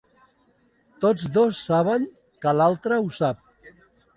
Tots dos saben que l'altre ho sap.